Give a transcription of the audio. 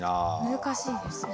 難しいですね。